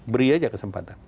beri aja kesempatan